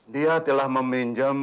dia telah meminjam